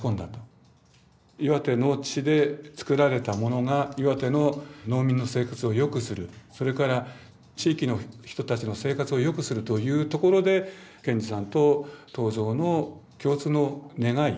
岩手の地で作られたものが岩手の農民の生活をよくするそれから地域の人たちの生活をよくするというところで賢治さんと東蔵の共通の願い